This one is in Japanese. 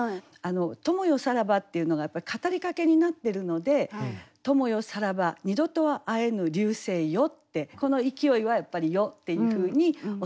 「友よさらば」っていうのがやっぱり語りかけになってるので「友よさらば二度とは会えぬ流星よ」ってこの勢いはやっぱり「よ」っていうふうに収めたほうがいいかと思いますね。